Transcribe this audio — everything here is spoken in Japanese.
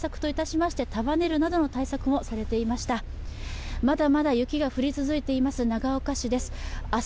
まだまだ雪が降り続いています長岡市です。